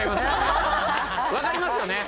分かりますよね？